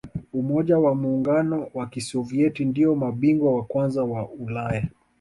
umoja wa muungano wa kisovieti ndiyo mabingwa wa kwanza wa ulaya